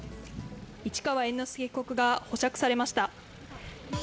市川猿之助被告が保釈されました。